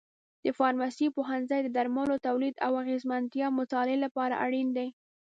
د فارمسي پوهنځی د درملو تولید او اغیزمنتیا مطالعې لپاره اړین دی.